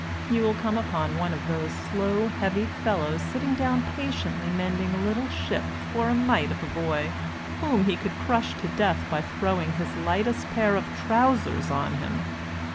You will come upon one of those slow heavy fellows sitting down patiently mending a little ship for a mite of a boy, whom he could crush to death by throwing his lightest pair of trousers on him.